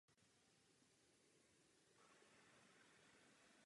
Zasedal coby poslanec Štýrského zemského sněmu.